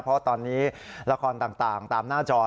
เพราะตอนนี้ละครต่างตามหน้าจอ